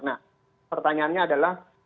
nah pertanyaannya adalah